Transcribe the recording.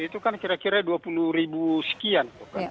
itu kan kira kira dua puluh ribu sekian